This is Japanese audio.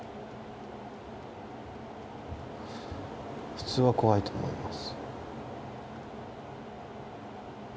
普通は怖いと思います。